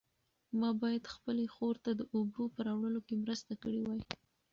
ما باید خپلې خور ته د اوبو په راوړلو کې مرسته کړې وای.